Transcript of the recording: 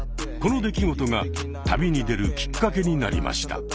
この出来事が旅に出るきっかけになりました。